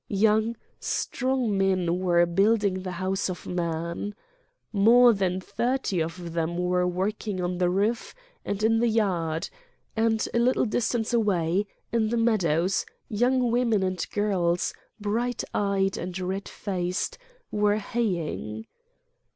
Young, strong men were building the House of Man. More than thirty of them were working on the roof and in the yard, and a little distance away, in the meadows, young women and girls, bright eyed and red faced, were Preface haying.